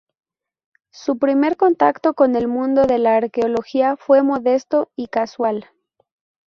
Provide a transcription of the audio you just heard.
Su primer contacto con el mundo de la arqueología fue modesto y casual.